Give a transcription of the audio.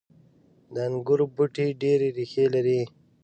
• د انګورو بوټي ډیرې ریښې لري.